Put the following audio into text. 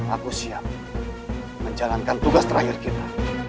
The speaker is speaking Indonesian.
aku siap menjalankan tugas terakhir kita